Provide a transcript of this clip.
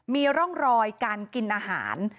มีร่องรอยการกินอาหาร